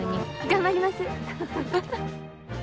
頑張ります。